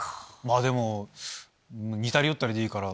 でも似たり寄ったりでいいから。